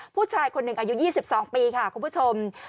ผู้ชายคนหนึ่งอายุ๒๒ปีค่ะคุณผู้ชม